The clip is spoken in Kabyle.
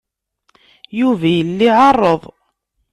Yuba yella iɛerreḍ.